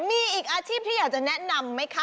มีอีกอาชีพที่อยากจะแนะนำไหมคะ